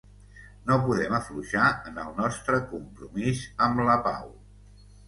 No podem afluixar en el nostre compromís amb la pau.